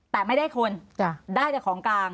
แต่ไม่ได้คนได้แต่ของกลาง